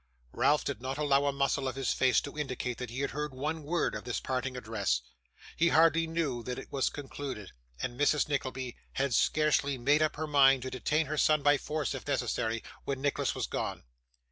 Ralph did not allow a muscle of his face to indicate that he heard one word of this parting address. He hardly knew that it was concluded, and Mrs. Nickleby had scarcely made up her mind to detain her son by force if necessary, when Nicholas was gone.